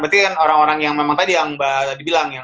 berarti kan orang orang yang memang tadi yang mbak tadi bilang ya